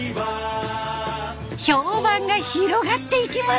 評判が広がっていきます。